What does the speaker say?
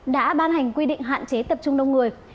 đã ban hành quy định hạn chế tập trung đông người